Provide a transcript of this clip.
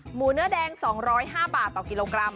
หมูเนื้อแดง๒๐๕บาทต่อกิโลกรัม